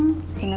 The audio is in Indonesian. mbak beli naim